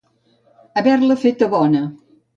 Haver-la feta bona.